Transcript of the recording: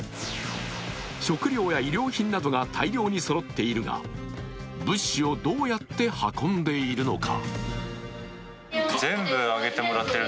食料や医療品などが大量にそろっているが、物資をどうやって運んでいるのか？